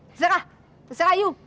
heh sarah sarah iu